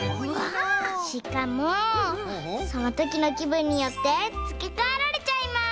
しかもそのときのきぶんによってつけかえられちゃいます！